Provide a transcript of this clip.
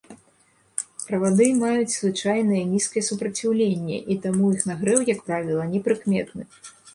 Правады маюць звычайнае нізкае супраціўленне і таму іх нагрэў, як правіла, непрыкметны.